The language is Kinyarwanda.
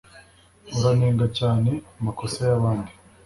Uranenga cyane amakosa yabandi.